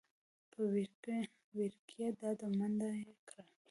وېړکيه دا ده منډه يې کړه .